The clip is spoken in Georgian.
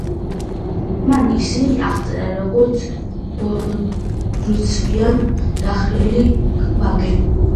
მან ისინი აღწერა როგორც ბორცვიან დახრილი ვაკე.